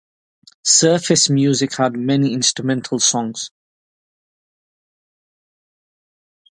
Surf music had many instrumental songs.